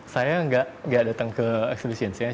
saya nggak datang ke exhibition